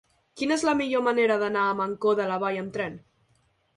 Quina és la millor manera d'anar a Mancor de la Vall amb tren?